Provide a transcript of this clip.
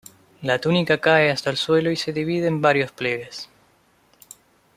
La túnica cae hasta el suelo y se divide en varios pliegues.